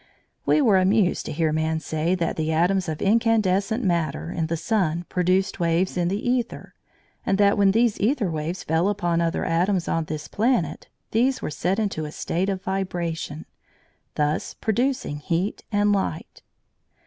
We were amused to hear man say that the atoms of incandescent matter in the sun produced waves in the æther, and that when these æther waves fell upon other atoms on this planet, these were set into a state of vibration, thus producing heat and light.